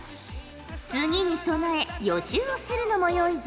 次に備え予習をするのもよいぞ。